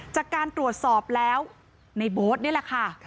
จากการตรวจสอบแล้วในโบ๊ทนี่แหละค่ะ